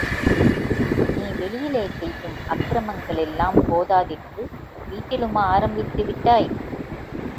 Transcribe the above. நீ வெளியிலே செய்யும் அக்கிரமங்களெல்லாம் போதாதென்று வீட்டிலுமா ஆரம்பித்து விட்டாய்!